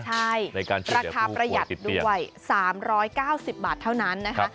ใช่ราคาประหยัดด้วย๓๙๐บาทเท่านั้นนะคะ